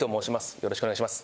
よろしくお願いします。